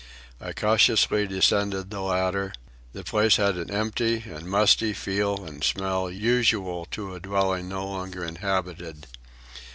I cautiously descended the ladder. The place had the empty and musty feel and smell usual to a dwelling no longer inhabited.